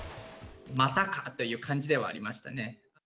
またかという感じではありましたね。